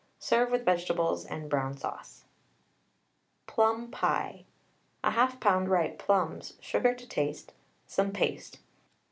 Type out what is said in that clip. Serve with vegetables and brown sauce. PLUM PIE. 1/2 lb. ripe plums, sugar to taste, some paste.